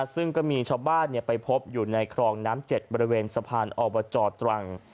ซึ่งก็มีชาวบ้านไปพบอยู่ในครองน้ำ๗บริเวณสะพานอบจตรัง